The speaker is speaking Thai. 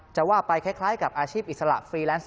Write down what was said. จะว่าไปคล้ายกับอาชีพอิสระฟรีแลนซ์